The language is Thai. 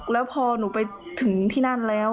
แล้วพอหนูไปถึงที่นั่นแล้ว